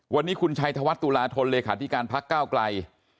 วันนี้คุณชัยธวัฒนตุลาธนเลขาธิการพักก้าวไกล